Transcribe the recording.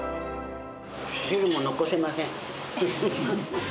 汁も残せません。